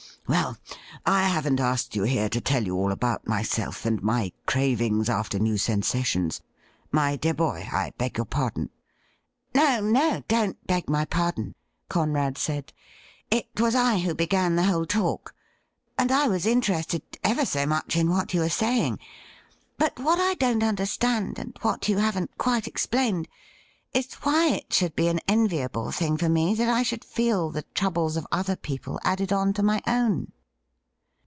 Well, I haven't asked you here to tell you all about myself, and my cravings after new sensations. My dear boy, I beg your pardon.' ' No, no, don't beg my pardon,' Conrad said. ' It was I who began the whole talk. And I was interested ever so much in what you were saying. But what I don't under stand, and what you haven't quite explained, is why it should be an enviable thing for me that I should feel the troubles of other people added on to my own.'